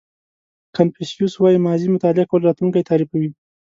کانفیوسیس وایي ماضي مطالعه کول راتلونکی تعریفوي.